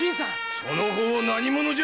その方何者じゃ？